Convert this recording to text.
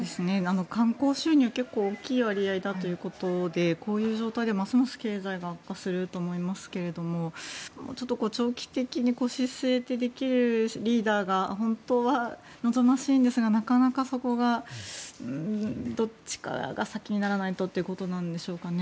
観光収入結構、大きい割合だということでこういう状態で、ますます経済が悪化すると思いますがもうちょっと長期的に腰を据えてできるリーダーが本当は望ましいんですがなかなかそこがどっちかが先にならないとっていうことなんでしょうかね。